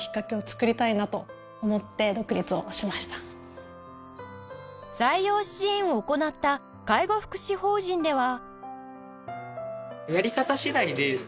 秋本さんの採用支援を行った介護福祉法人では